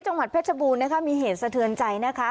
จังหวัดเพชรบูรณ์นะคะมีเหตุสะเทือนใจนะคะ